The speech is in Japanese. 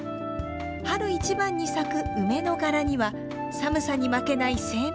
春一番に咲く梅の柄には寒さに負けない生命力の強さが。